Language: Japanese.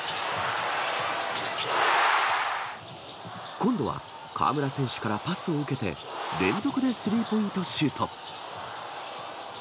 今度は河村選手からパスを受けて、連続でスリーポイントシュート。